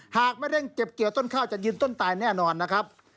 หากไม่เร่งเก็บเกี่ยวต้นข้าวจะยืนต้นตายแน่นอนนะครับ